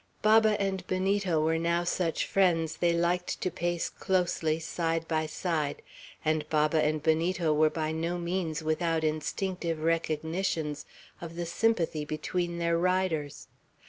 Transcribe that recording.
Baba and Benito were now such friends they liked to pace closely side by side; and Baba and Benito were by no means without instinctive recognitions of the sympathy between their riders.